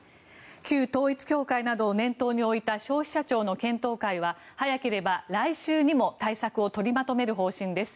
旧統一教会などを念頭に置いた消費者庁の検討会は早ければ来週にも対策を取りまとめる方針です。